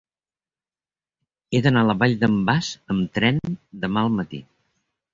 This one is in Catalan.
He d'anar a la Vall d'en Bas amb tren demà al matí.